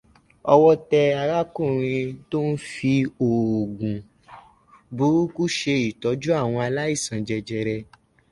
Ọwọ́ tẹ ọkunrìn tó n fi òògùn burúkú ṣe ìtọ́jú àwọn àìsàn jẹjẹrẹ